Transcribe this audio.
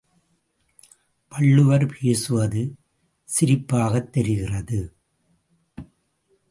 வள்ளுவர் பேசுவது சிரிப்பாகத் தெரிகிறது.